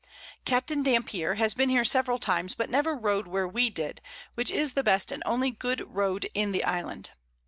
Capt. Dampier has been here several times, but never rode where we did, which is the best and only good Road in the Island.